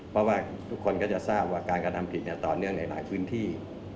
เพราะว่าทุกคนก็จะทราบว่าการกระทำผิดต่อเนื่องในหลายพื้นที่